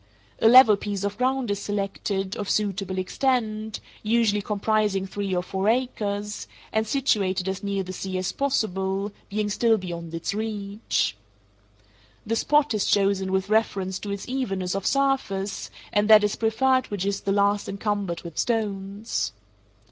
A level piece of ground is selected, of suitable extent, usually comprising three or four acres, and situated as near the sea as possible, being still beyond its reach. The spot is chosen with reference to its evenness of surface, and that is preferred which is the least encumbered with stones.